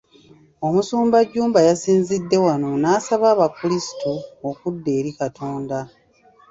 Omusumba Jjumba yasinzidde wano n’asaba abakulisitu okudda eri Katonda.